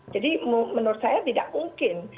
jadi menurut saya tidak mungkin